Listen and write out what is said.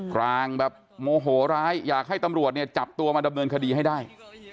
กลางแบบโมโหร้ายอยากให้ตำรวจเนี่ยจับตัวมาดำเนินคดีให้ได้